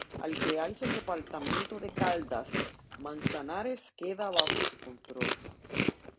Al crearse el departamento de Caldas, Manzanares queda bajo su control.